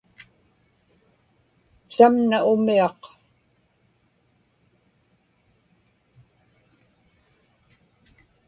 samna umiaq